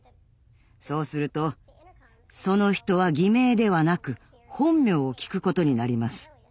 そうするとその人は偽名ではなく本名を聞くことになります。